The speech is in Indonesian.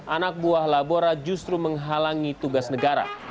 anak buah labora justru menghalangi tugas negara